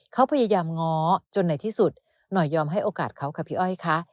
เขาพยายามง้อจนในที่สุดหน่อยยอมให้โอกาสเขาค่ะพี่อ้อยค่ะ